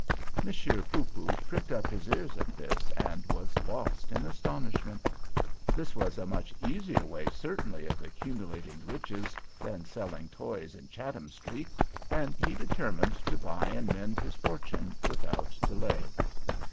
Monsieur Poopoo pricked up his ears at this, and was lost in astonishment. This was a much easier way certainly of accumulating riches than selling toys in Chatham Street, and he determined to buy and mend his fortune without delay.